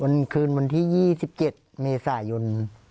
มันคืนวันที่๒๗เมษายน